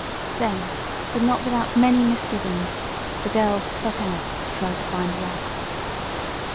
Then, but not without many misgivings, the girls set out to try to find Russ.